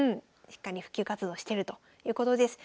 しっかり普及活動してるということです。